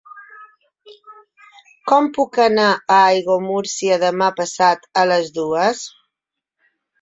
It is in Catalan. Com puc anar a Aiguamúrcia demà passat a les dues?